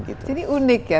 ini unik ya